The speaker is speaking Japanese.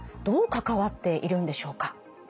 どう関わっているんでしょうか？